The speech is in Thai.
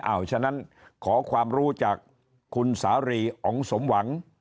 ฉะนั้นขอความรู้จากคุณสารีอ๋องสมหวัง